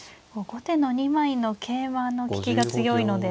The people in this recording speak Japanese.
後手の２枚の桂馬の利きが強いので。